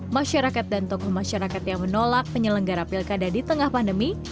masyarakat dan tokoh masyarakat yang menolak penyelenggara pilkada di tengah pandemi